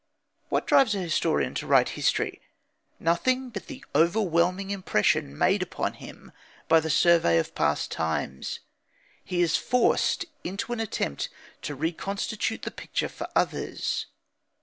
What drives a historian to write history? Nothing but the overwhelming impression made upon him by the survey of past times. He is forced into an attempt to reconstitute the picture for others.